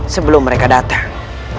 sebelum mereka datang